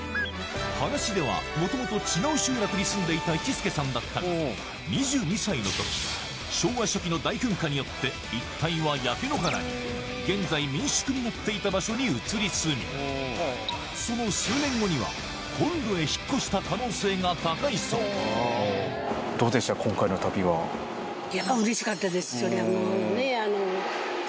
話では元々違う集落に住んでいた市助さんだったが２２歳の時昭和初期の大噴火によって一帯は焼け野原に現在民宿になっていた場所に移り住みその数年後には本土へ引っ越した可能性が高いそうそりゃあもう。